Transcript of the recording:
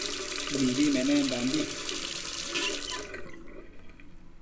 Mibi menendanbi